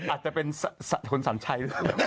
อาจจะเป็นคุณสัญชัย